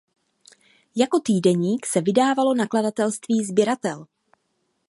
Jako týdeník je vydávalo nakladatelství Sběratel.